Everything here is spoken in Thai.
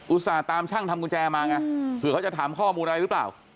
ต่าตามช่างทำกุญแจมาไงเผื่อเขาจะถามข้อมูลอะไรหรือเปล่า